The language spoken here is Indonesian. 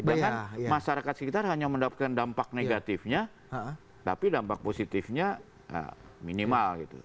jangan masyarakat sekitar hanya mendapatkan dampak negatifnya tapi dampak positifnya minimal gitu